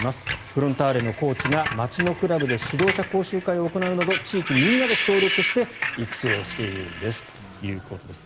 フロンターレのコーチが街のクラブで指導者講習会を行うなど地域みんなで協力して育成をしているんですということです。